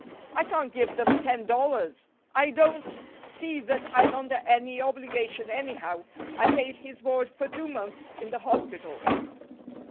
"I can't give them ten dollars. I don't see that I'm under any obligation, anyhow. I paid his board for two months in the hospital."